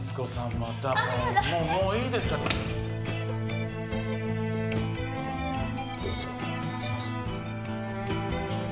またもういいですからどうぞすいません